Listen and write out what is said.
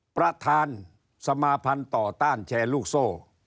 ประธานสมาพันธ์ต่อต้านแชร์ลูกโซ่